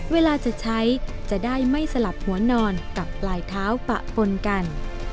เวลาจะใช้จะได้ไม่สลับหัวนอนกับปลายเท้าปะปนกัน